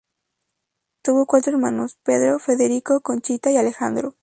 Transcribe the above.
Tuvo cuatro hermanos Pedro, Federico, Conchita y Alejandro.